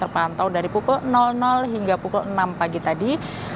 terpantau dari pukul hingga pukul enam pagi tadi